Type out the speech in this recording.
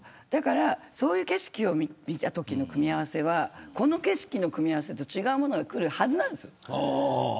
そういう景色を見たときの組み合わせはこの景色の組み合わせと違うものが来るはずなんです。